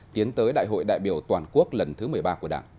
tiến tới đại hội đại biểu toàn quốc lần thứ một mươi ba của đảng